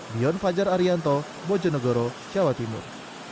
dion fajar arianto bojonegoro jawa timur